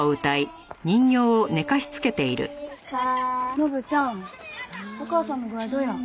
ノブちゃんお母さんの具合どうや？